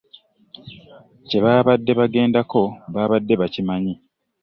Kye baabadde bagendako baabadde bakimanyi?